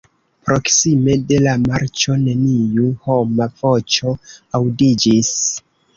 Proksime de la marĉo neniu homa voĉo aŭdiĝis.